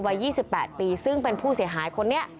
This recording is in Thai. วัยยี่สิบแปดปีซึ่งเป็นผู้เสียหายคนนี้